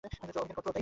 আভিধানিক অর্থও তাই।